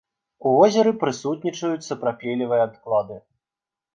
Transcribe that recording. У возеры прысутнічаюць сапрапелевыя адклады.